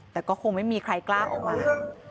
แต่ก็คงไม่มีใครกล้าออกมา